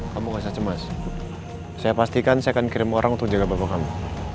kamu merasa cemas saya pastikan saya akan kirim orang untuk jaga bapak kamu